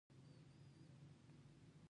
دا څه وايې.